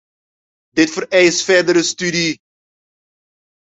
Dit vereist verdere studie.